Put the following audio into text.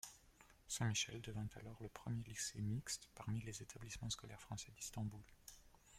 Saint-Michel devint alors le premier lycée mixte parmi les établissements scolaires français d’Istanbul.